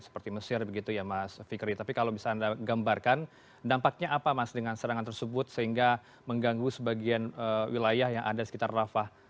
seperti mesir begitu ya mas fikri tapi kalau bisa anda gambarkan dampaknya apa mas dengan serangan tersebut sehingga mengganggu sebagian wilayah yang ada sekitar rafah